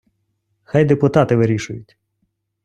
Хай депутати вирішують.